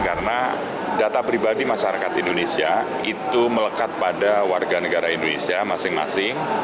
karena data pribadi masyarakat indonesia itu melekat pada warga negara indonesia masing masing